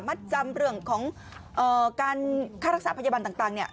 มัดจำเรื่องของการค่ารักษาพยาบาลต่างเนี่ย